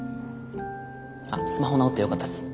あっスマホ直ってよかったっす。